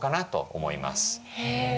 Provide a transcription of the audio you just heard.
へえ。